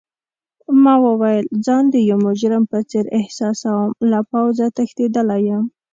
ما وویل: ځان د یو مجرم په څېر احساسوم، له پوځه تښتیدلی یم.